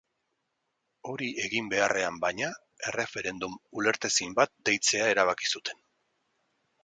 Hori egin beharrean, baina, erreferendum ulertezin bat deitzea erabaki zuten.